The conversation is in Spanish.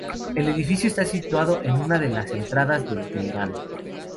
El edificio está situado en una de las entradas de Teherán.